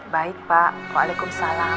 baik pak waalaikumsalam